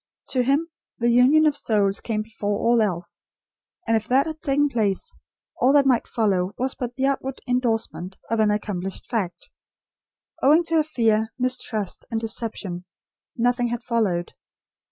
To him, the union of souls came before all else; and if that had taken place, all that might follow was but the outward indorsement of an accomplished fact. Owing to her fear, mistrust, and deception, nothing had followed.